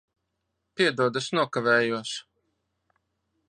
Piedod, es nokavējos.